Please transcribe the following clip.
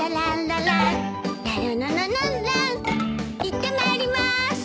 いってまいりまーす！